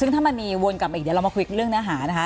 ซึ่งถ้ามันมีวนกลับมาอีกเดี๋ยวเรามาคุยเรื่องเนื้อหานะคะ